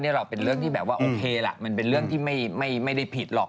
เราเป็นเรื่องที่แบบว่าโอเคล่ะมันเป็นเรื่องที่ไม่ได้ผิดหรอก